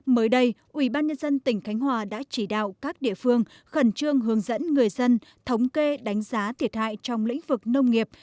mới đây ubnd tỉnh khánh hòa đã chỉ đạo các địa phương khẩn trương hướng dẫn người dân thống kê đánh giá thiệt hại trong lĩnh vực nông nghiệp